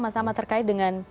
mas nama terkait dengan